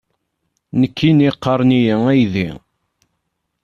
Nekkini qqaren-iyi aydi!